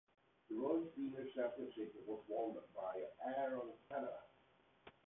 The World Seniors Championship was won by Aaron Canavan.